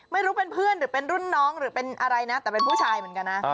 ไม่รู้เป็นเพื่อนหรือเป็นรุ่นน้องหรือเป็นอะไรนะแต่เป็นผู้ชายเหมือนกันนะ